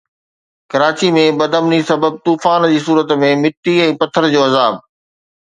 ڪراچي ۾ بدامني سبب طوفان جي صورت ۾ مٽي ۽ پٿر جو عذاب